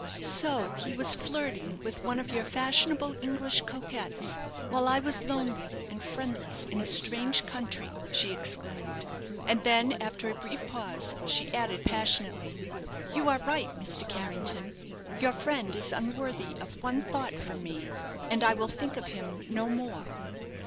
"So he was flirting with one of your fashionable English coquettes, while I was lonely and friendless in a strange country," she exclaimed. And then, after a brief pause, she added, passionately, "You are right, Mr. Carrington; your friend is unworthy of one thought from me, and I will think of him no more."